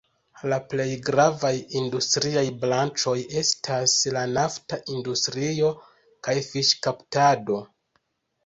La plej gravaj industriaj branĉoj estas la nafta industrio kaj fiŝkaptado.